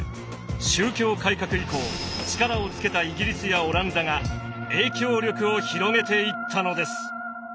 宗教改革以降力をつけたイギリスやオランダが影響力を広げていったのです。